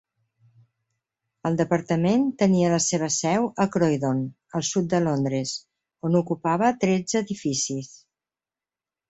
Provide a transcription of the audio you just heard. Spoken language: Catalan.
El departament tenia la seva seu a Croydon, al sud de Londres, on ocupava tretze edificis.